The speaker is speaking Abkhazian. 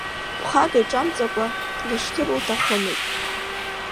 Ԥхак иҿамҵакәа длышьҭыр лҭахымызт.